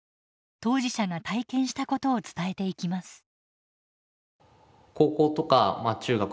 当事者が体験したことを伝えていきます。